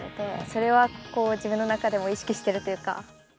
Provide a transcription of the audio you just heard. それは自分の中でも意識してるというか。